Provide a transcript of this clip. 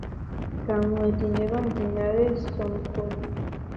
გამოედინება მდინარე სონქოლი.